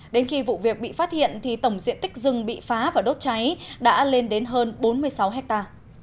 đến khi vụ việc bị phát hiện thì tổng diện tích rừng bị phá và đốt cháy đã lên đến hơn bốn mươi sáu ha